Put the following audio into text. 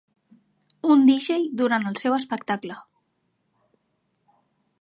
Un DJ durant el seu espectacle.